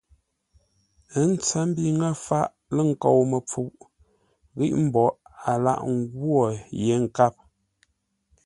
Ə́ tsəmbi ŋə́ faʼ lə̂ nkou-məpfuʼ, ghíʼ mboʼ a lâghʼ ngwô yé nkâp.